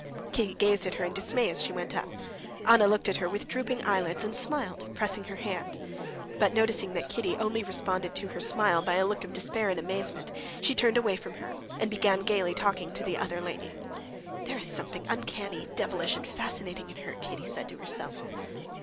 Kitty gazed at her in dismay as she went up. Anna looked at her with drooping eyelids, and smiled, pressing her hand. But, noticing that Kitty only responded to her smile by a look of despair and amazement, she turned away from her, and began gaily talking to the other lady. "Yes, there is something uncanny, devilish and fascinating in her," Kitty said to herself.